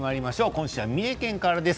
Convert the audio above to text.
今週は三重県からです。